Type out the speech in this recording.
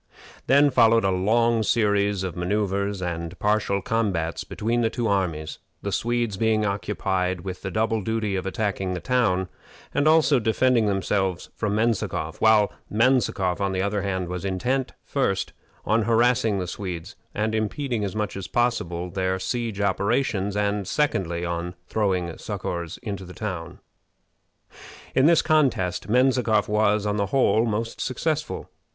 Then followed a long series of manoeuvres and partial combats between the two armies, the Swedes being occupied with the double duty of attacking the town, and also of defending themselves from Menzikoff; while Menzikoff, on the other hand, was intent, first on harassing the Swedes and impeding as much as possible their siege operations, and, secondly, on throwing succors into the town. In this contest Menzikoff was, on the whole, most successful.